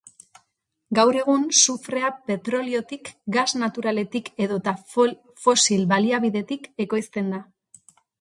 Gaur egun, sufrea petroliotik, gas naturaletik edota fosil-baliabidetik ekoizten da.